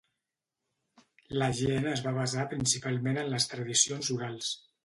La gent es va basar principalment en les tradicions orals.